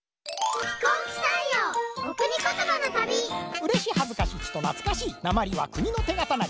うれしはずかしちとなつかしいなまりは国のてがたなり。